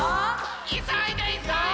いそいでいそいで！